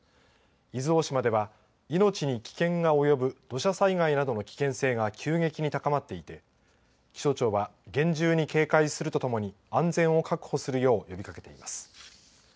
伊豆大島では命に危険が及ぶ土砂災害などの危険性が急激に高まっていて気象庁は厳重に警戒するとともに安全を確保するよう呼びかけています。